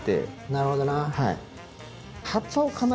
なるほど。